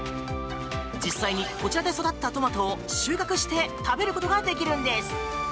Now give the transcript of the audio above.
実際にお茶で育ったトマトを収穫して食べることができるんです。